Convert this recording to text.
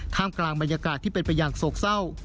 กลางบรรยากาศที่เป็นไปอย่างโศกเศร้า